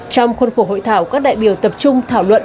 trong khuôn khổ hội thảo các đại biểu tập trung thảo luận